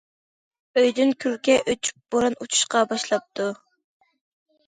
ئۆيدىن كۈلكە ئۆچۈپ بوران ئۇچۇشقا باشلاپتۇ.